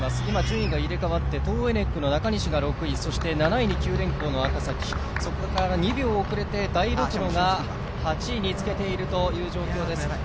今、順位が入れ替わって、トーエネックの中西が６位そして、７位に九電工の赤崎そこから２秒遅れて大六野が８位につけているという状況です。